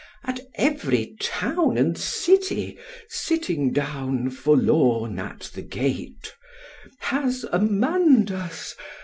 _ at every town and city, sitting down forlorn at the gate——Has Amandus!